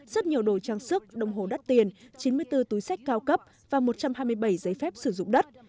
rất nhiều đồ trang sức đồng hồ đắt tiền chín mươi bốn túi sách cao cấp và một trăm hai mươi bảy giấy phép sử dụng đất